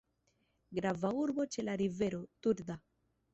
Grava urbo ĉe la rivero: Turda.